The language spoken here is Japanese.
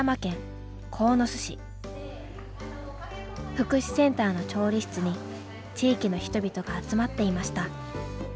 福祉センターの調理室に地域の人々が集まっていました。